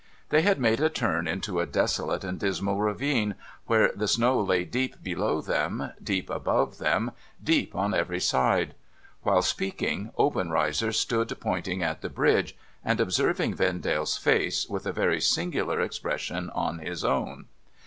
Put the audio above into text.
They had made a turn into a desolate and dismal ravine, where the snow lay deep below them, deep above them, deep on every side. While speaking, Obenreizer stood pointing at the Bridge, and observing Vendale's face, with a very singular expression on his own.